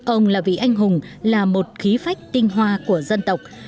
ông là vị anh hùng là một khí phách tinh hoa của dân tộc